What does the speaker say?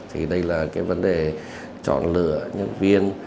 thì đây là cái vấn đề chọn lựa nhân viên